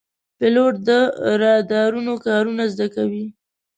پیلوټ د رادارونو کارونه زده کوي.